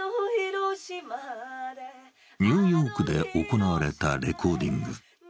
ニューヨークで行われたレコーディング。